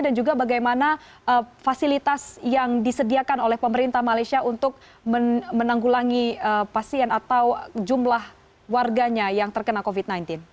dan juga bagaimana fasilitas yang disediakan oleh pemerintah malaysia untuk menanggulangi pasien atau jumlah warganya yang terkena covid sembilan belas